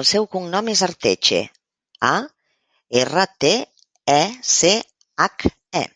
El seu cognom és Arteche: a, erra, te, e, ce, hac, e.